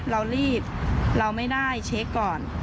เรารีบเราไม่ได้เช็คก่อน